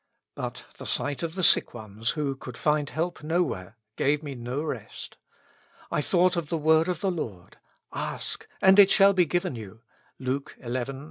But the sight of the sick ones, who could find help nowhere, gave me no rest. I thought of the word of the Lord :' Ask, and it shall be given you ' (Luke xi.